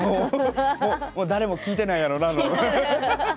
誰も聞いてないような。